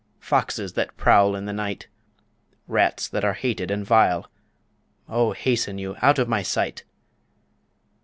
Foxes that prowl in the night! Rats that are hated and vile! O hasten you out of my sight!